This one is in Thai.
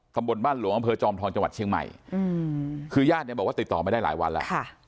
ตำบลบ้านหลวงอำเภอจอมทองจังหวัดเชียงใหม่คือญาติเนี่ยบอกว่าติดต่อไม่ได้หลายวันแล้ว